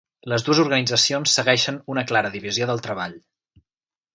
Les dues organitzacions segueixen una clara divisió del treball.